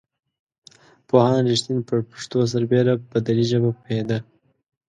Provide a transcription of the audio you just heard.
پوهاند رښتین پر پښتو سربېره په دري ژبه پوهېده.